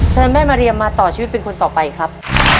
เชิญแม่มาเรียมมาต่อชีวิตเป็นคนต่อไปครับ